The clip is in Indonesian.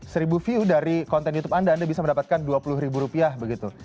seribu view dari konten youtube anda anda bisa mendapatkan dua puluh ribu rupiah begitu